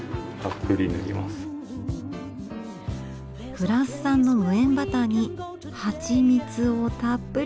フランス産の無塩バターにはちみつをたっぷり！